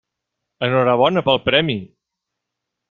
Enhorabona pel premi.